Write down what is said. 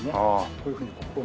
こういうふうにここを。